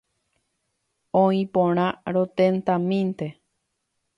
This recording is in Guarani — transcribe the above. Oĩporã, rotentamínte.